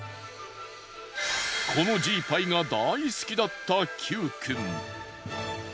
このジーパイが大好きだったキュウくん。